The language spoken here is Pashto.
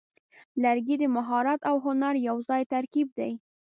لرګی د مهارت او هنر یوځای ترکیب دی.